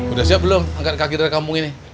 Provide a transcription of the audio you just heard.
udah siap belum angkat kaki dari kampung ini